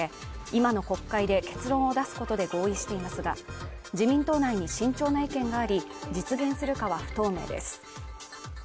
今の国会で結論を出すことで合意していますが自民党内に慎重な意見があり実現するかは不透明です